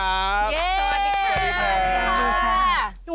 เย่สวัสดีครับสวัสดีค่ะสวัสดีค่ะ